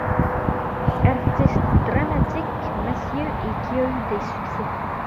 Artiste dramatique, monsieur, et qui a eu des succès.